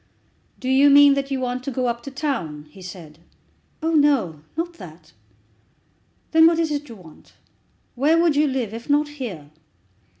"Do you mean that you want to go up to town?" he said. "Oh, no; not that." "Then what is it you want? Where would you live, if not here?"